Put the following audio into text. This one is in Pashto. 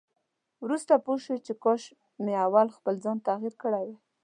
وروسته پوه شو چې کاش مې اول خپل ځان تغيير کړی وای.